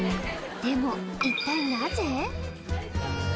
でも一体なぜ？